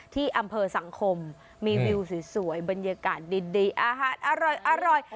ที่อำเภอสังคมมีวิวสวยบรรยากาศดีอาหารอร่อย